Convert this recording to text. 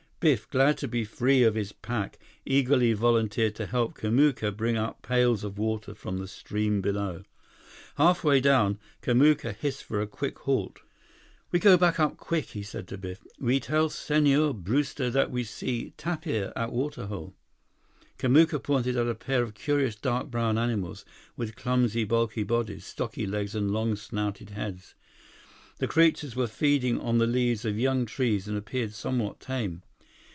Biff, glad to be free of his pack, eagerly volunteered to help Kamuka bring up pails of water from the stream below. Halfway down, Kamuka hissed for a quick halt. "We go back up quick," he said to Biff. "We tell Senhor Brewster we see tapir at water hole." Kamuka pointed out a pair of curious dark brown animals, with clumsy, bulky bodies, stocky legs, and long snouted heads. The creatures were feeding on the leaves of young trees and appeared somewhat tame.